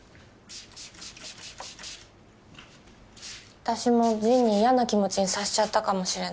私もジンに嫌な気持ちにさせちゃったかもしれない。